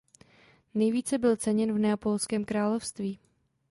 Nejvíce byl ceněn v Neapolském království.